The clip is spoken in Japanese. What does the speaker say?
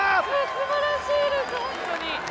すばらしいです、本当に。